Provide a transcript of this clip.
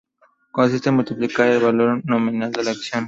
Consiste en multiplicar el valor nominal de la acción.